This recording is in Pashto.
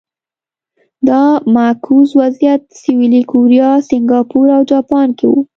دا معکوس وضعیت سویلي کوریا، سینګاپور او جاپان کې و.